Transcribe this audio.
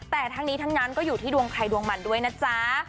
แต่ทั้งนี้ทั้งนั้นก็อยู่ที่ดวงใครดวงมันด้วยนะจ๊ะ